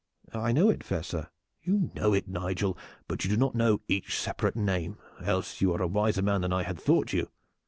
"I know it, fair sir." "You know it, Nigel, but you do not know each separate name, else are you a wiser man than I had thought you.